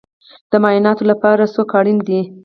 د معایناتو لپاره څوک اړین دی؟